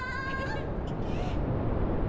行け！